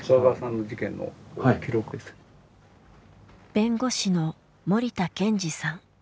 弁護士の森田健二さん。